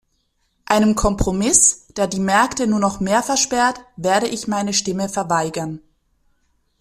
Einem Kompromiss, der die Märkte nur noch mehr versperrt, werde ich meine Stimme verweigern.